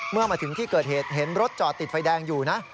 เมื่อมาถึงที่เกิดเหตุเห็นรถจอดติดไฟแดงอยู่นะ